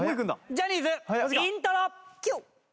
ジャニーズイントロＱ！